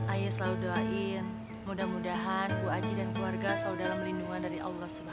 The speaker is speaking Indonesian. ayah selalu doain mudah mudahan ibu aji dan keluarga selalu dalam lindungan dari allah swt